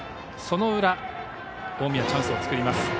その裏、近江はチャンスを作ります。